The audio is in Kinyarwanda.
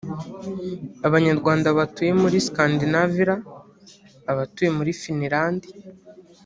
Abanyarwanda batuye muri Scandinavira abatuye muri Finland